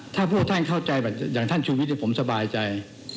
ถ้าพวกท่านเข้าใจอย่างท่านชูวิทย์ผมสบายใจ